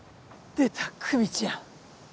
出た久実ちゃん。